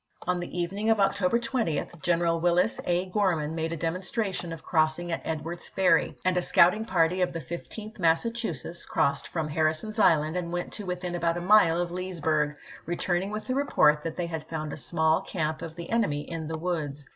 On the evening of October 20th General Willis A. Gorman made a demonstration of crossing at Edwards Ferry, and a scouting party of the Fif teenth Massachusetts crossed from Harrison's Island and went to within about a mile of Leesburg, re turning with the report that they had found a small camp of the enemy in the woods.